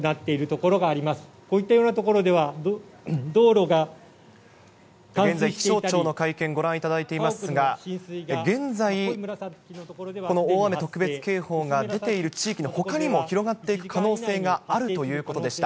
こういったような所では、現在、気象庁の会見、ご覧いただいていますが、現在、この大雨特別警報が出ている地域のほかにも広がっていく可能性があるということでした。